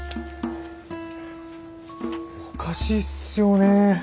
おかしいっすよね。